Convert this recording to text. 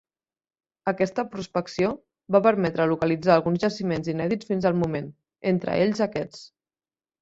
Aquesta prospecció va permetre localitzar alguns jaciments inèdits fins al moment, entre ells aquest.